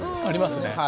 ありますね。